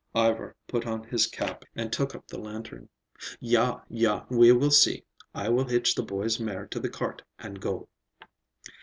Ivar put on his cap and took up the lantern. "Ja, ja, we will see. I will hitch the boy's mare to the cart and go."